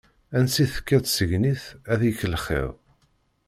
Ansi tekka tsegnit, ad ikk lxiḍ.